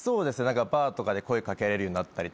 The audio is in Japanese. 何かバーとかで声掛けられるようになったり。